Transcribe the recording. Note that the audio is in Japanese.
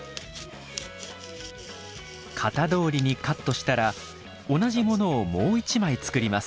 型どおりにカットしたら同じものをもう一枚作ります。